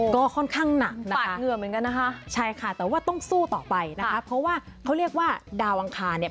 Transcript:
ก็ค่อนข้างหนักปาดเหงื่อเหมือนกันนะคะใช่ค่ะแต่ว่าต้องสู้ต่อไปนะคะเพราะว่าเขาเรียกว่าดาวอังคารเนี่ย